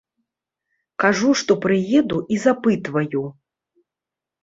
Кажу, што прыеду, і запытваю.